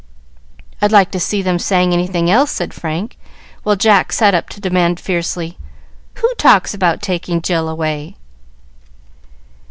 "I'd like to see them saying anything else," said Frank, while Jack sat up to demand fiercely, "Who talks about taking Jill away?"